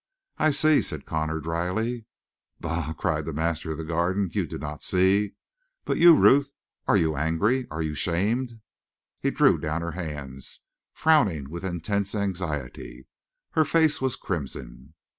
"I see," said Connor dryly. "Bah!" cried the master of the Garden. "You do not see. But you, Ruth, are you angry? Are you shamed?" He drew down her hands, frowning with intense anxiety. Her face was crimson.